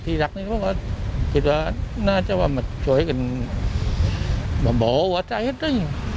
ที่หลักนี้ก็คิดว่าน่าจะมาช่วยกันมาบอกว่าจะให้ด้วย